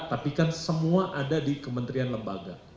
tapi kan semua ada di kementerian lembaga